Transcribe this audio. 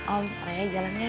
om raya jalan ya